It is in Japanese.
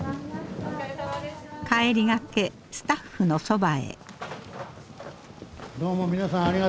帰りがけスタッフのそばへ。